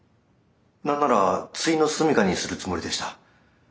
何ならついの住みかにするつもりでした。